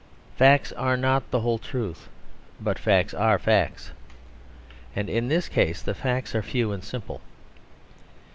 Facts are not the whole truth. But facts are facts, and in this case the facts are few and simple.